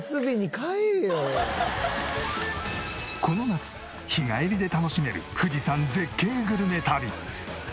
この夏日帰りで楽しめる富士山絶景グルメ旅。